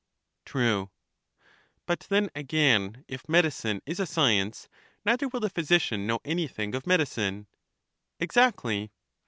True. But then again, if medicine is a science, neither will the physician know anything of medicine. Exactly.